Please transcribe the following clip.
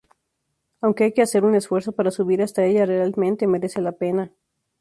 Aunque hay que hacer un esfuerzo para subir hasta ella realmente merece la pena.